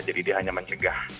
jadi dia hanya mencegah